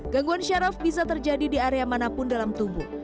gangguan syaraf bisa terjadi di area manapun dalam tubuh